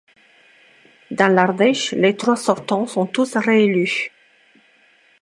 Dans l'Ardèche, les trois sortants sont tous réélus.